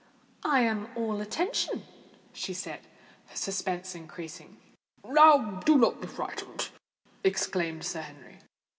"I am all attention," she said, her suspense increasing. "Now do not be frightened," exclaimed Sir Henry.